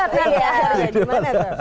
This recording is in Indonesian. oh jadi debat